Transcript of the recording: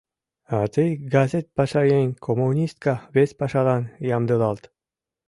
А тый, газет пашаеҥ, коммунистка, вес пашалан ямдылалт.